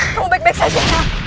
kamu baik baik saja